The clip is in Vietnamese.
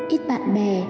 ít bạn bè